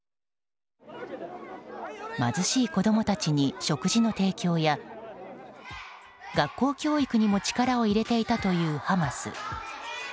貧しい子供たちに食事の提供や学校教育にも力を入れていたというハマス。